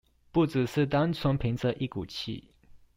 不只是單純憑著一股氣